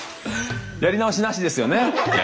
やり直しなしです。